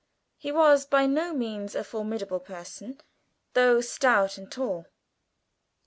He was by no means a formidable person, though stout and tall.